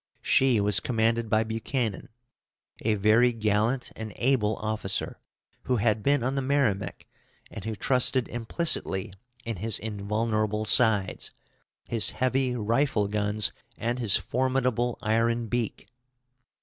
She was commanded by Buchanan, a very gallant and able officer, who had been on the Merrimac, and who trusted implicitly in his invulnerable sides, his heavy rifle guns, and his formidable iron beak.